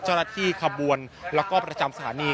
เจ้าระธิคบวนและประจำสถานี